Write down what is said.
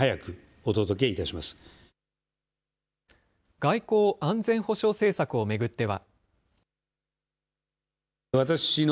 外交・安全保障政策を巡っては。